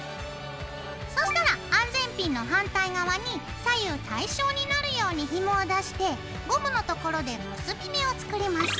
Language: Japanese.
そうしたら安全ピンの反対側に左右対称になるようにひもを出してゴムのところで結び目を作ります。